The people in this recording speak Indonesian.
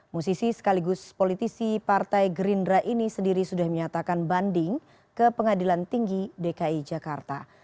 musisi sekaligus politisi partai gerindra ini sendiri sudah menyatakan banding ke pengadilan tinggi dki jakarta